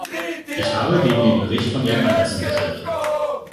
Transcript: Ich habe gegen den Bericht von Jan Andersson gestimmt.